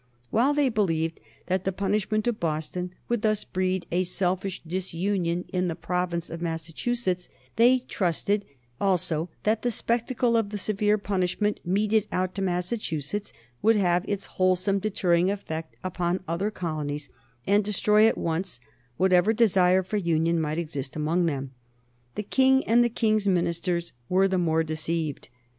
While they believed that the punishment of Boston would thus breed a selfish disunion in the province of Massachusetts, they trusted also that the spectacle of the severe punishment meted out to Massachusetts would have its wholesome deterring effect upon other colonies and destroy at once whatever desire for union might exist among them. The King and the King's ministers were the more deceived.